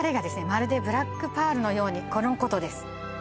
まるでブラックパールのようにこのことです